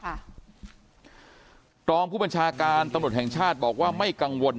ค่ะรองผู้บัญชาการตำลดแห่งชาติ